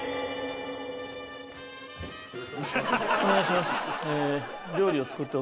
お願いします。